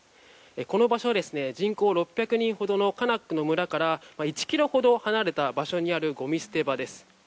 この場所、人口６００人ほどのカナックの村から１ｋｍほど離れた場所にあるごみ捨て場です。